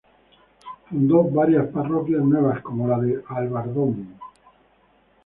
Fundó varias parroquias nuevas, como la de Albardón.